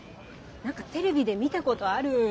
何かテレビで見たことある。